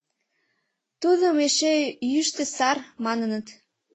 Тудым эше «йӱштӧ сар» маныныт.